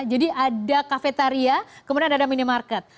jadi ada cafetaria kemudian ada minimarket